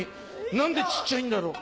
何で小っちゃいんだろう？」。